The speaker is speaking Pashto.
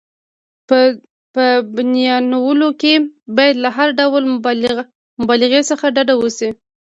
په بیانولو کې باید له هر ډول مبالغې څخه ډډه وشي.